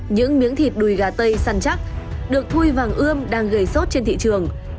những miếng thịt đùi gà tây săn chắc được thui vàng ươm đang gầy sốt trên thị trường